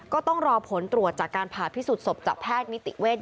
ก็ต้องรอผลตรวจจากการผ่าพิสูจนศพจากแพทย์นิติเวช